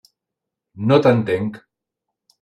No t'entenc.